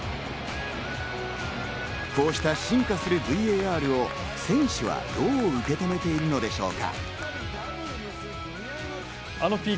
こうした進化するＶＡＲを選手はどう受け止めているのでしょうか？